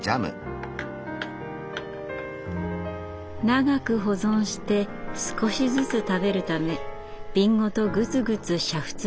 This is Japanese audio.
長く保存して少しずつ食べるため瓶ごとグツグツ煮沸して殺菌します。